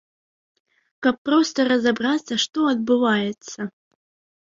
Каб проста разабрацца, што адбываецца.